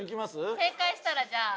正解したらじゃあ。